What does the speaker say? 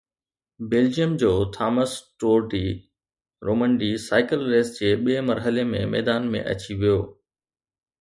Belgium جو Thomas tour de Romandie cycle race جي ٻئي مرحلي ۾ ميدان ۾ اچي ويو